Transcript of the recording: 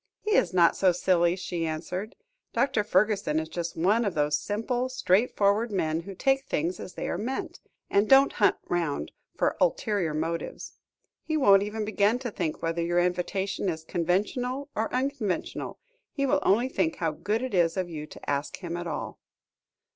"He is not so silly," she answered. "Dr. Fergusson is just one of those simple, straightforward men who take things as they are meant, and don't hunt round for ulterior motives. He won't even begin to think whether your invitation is conventional or unconventional, he will only think how good it is of you to ask him at all."